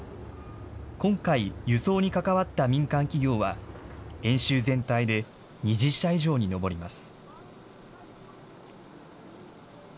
今回、輸送に関わった民間企業は、演習全体で２０社以上に上ります。